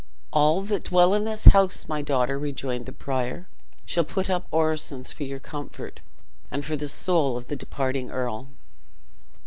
"All that dwell in this house, my daughter," rejoined the prior, "shall put up orisons for your comfort, and for the soul of the departing earl."